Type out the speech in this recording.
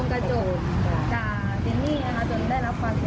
เคยไปบีเรื่องกันมามั้ย